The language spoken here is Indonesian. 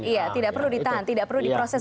iya tidak perlu ditahan tidak perlu diproses